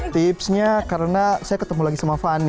tipsnya karena saya ketemu lagi sama fani